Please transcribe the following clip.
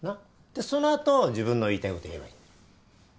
でそのあと自分の言いたいこと言えばいいんだ。